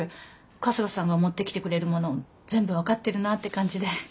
春日さんが持ってきてくれるもの全部分かってるなあって感じで。